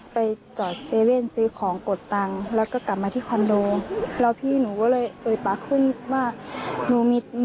แล้วก็เอามาจอจอที่หัวพี่สาวนู้น